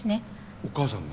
お母さんが？